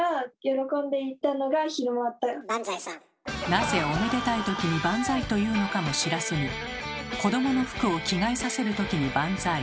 なぜおめでたいときに「バンザイ」と言うのかも知らずに子どもの服を着替えさせるときにバンザイ。